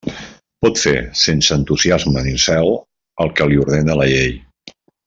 Pot fer, sense entusiasme ni zel, el que li ordena la llei.